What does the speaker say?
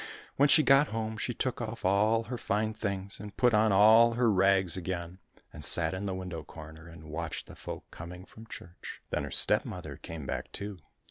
When she got home, she took off all her fine things, and put on all her rags again, and sat in the window corner and watched the folk coming from church. Then her stepmother came back too.